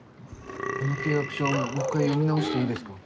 この契約書もう一回読み直していいですか？